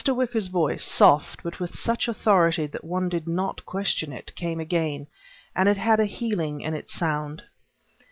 Wicker's voice, soft but with such authority that one did not question it, came again, and it had a healing in its sound.